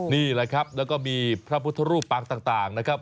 นี่แหละครับแล้วก็มีพระพุทธรูปปางต่างนะครับ